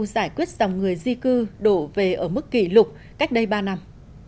giải quyết dòng người di cư đổ về ở mức kỷ lục cách đây ba năm